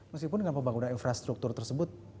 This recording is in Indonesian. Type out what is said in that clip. meskipun dengan pembangunan infrastruktur tersebut